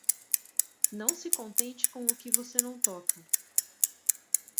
Não se contente com o que você não toca.